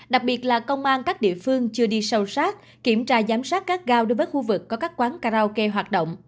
đặc biệt là công an các địa phương chưa đi sâu sát kiểm tra giám sát các gao đối với khu vực có các quán karaoke hoạt động